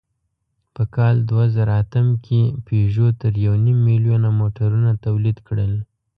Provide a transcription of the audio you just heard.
په کال دوهزرهاتم کې پيژو تر یونیم میلیونه موټرونه تولید کړل.